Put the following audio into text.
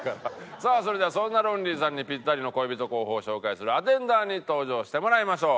さあそれではそんなロンリーさんにピッタリの恋人候補を紹介するアテンダーに登場してもらいましょう。